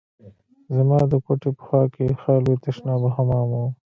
زما د کوټې په خوا کښې ښه لوى تشناب او حمام و.